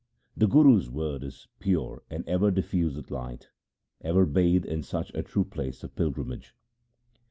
The Guru's word is pure and ever diffuseth light ; ever bathe in such a true place of pilgrimage.